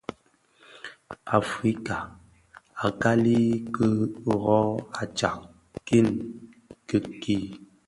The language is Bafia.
Afrika nʼl, a kali ki rö, a tsad king kii.